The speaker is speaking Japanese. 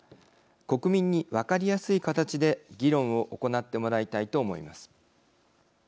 国民に分かりやすい形で議論を行ってもらいたいと思います。